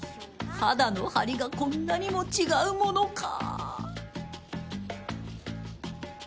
肌のハリがこんなにも違うものか。